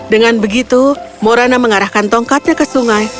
dengan begitu morana mengarahkan tongkatnya ke sungai